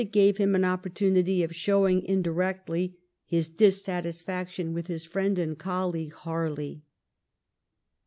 65 gave him an opportunity of showing, indirectly, his dissatisfaction with his friend and colleague, Harley.